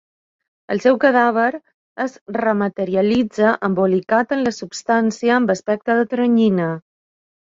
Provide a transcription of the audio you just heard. El seu cadàver es rematerialitza embolicat en la substància amb aspecte de teranyina.